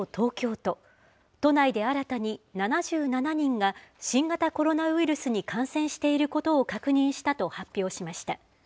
都内で新たに７７人が、新型コロナウイルスに感染していることを確認したと発表しました。